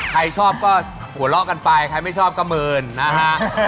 ใครชอบก็หัวเราะกันไปใครไม่ชอบก็เมินนะฮะ